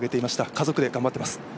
家族で頑張っています。